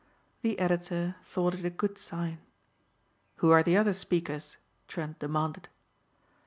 The editor thought it a good sign. "Who are the other speakers?" Trent demanded.